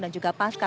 dan juga pasca